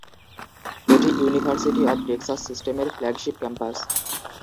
এটি university of Texas সিস্টেমের flagship campus.